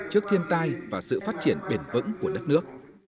trước thiên tai và sự phát triển bền vững của đất nước